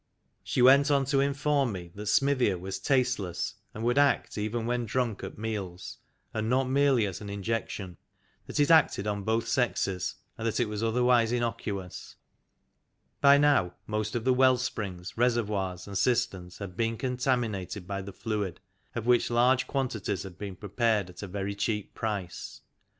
She went on to inform me that Smithia was tasteless, and would act even when drunk at meals, and not merely as an injection, that it acted on both sexes, and that it was otherwise innocuous. By now most of the well springs, reservoirs, and cisterns had been con THE EPISODE OF THE BABY 17 taminated by the fluid, of which large quantities had been prepared at a very cheap price.